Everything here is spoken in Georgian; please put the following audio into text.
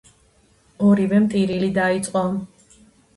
ორივემ ტირილი დაიწყო